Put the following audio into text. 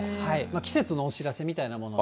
季節のお知らせみたいなもので。